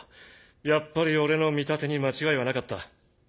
やっぱり俺の見立てに間違いはなかった。